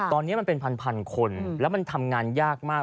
ตอนนี้มันเป็นพันคนแล้วมันทำงานยากมาก